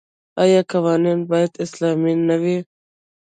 آیا قوانین باید اسلامي نه وي؟